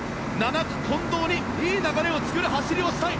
７区、近藤にいい流れを作る走りをしたい。